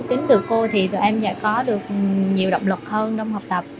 tính từ cô thì tụi em đã có được nhiều động lực hơn trong học tập